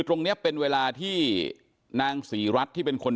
ตรงนี้เป็นเวลาที่นางศรีรัฐที่เป็นคน